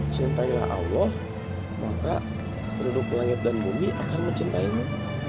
cintailah allah maka penduduk langit dan bumi akan mencintaimu